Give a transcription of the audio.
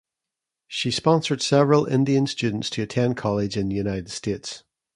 She sponsored several Indian students to attend college in the United States.